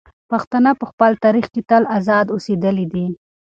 پښتانه په خپل تاریخ کې تل ازاد اوسېدلي دي.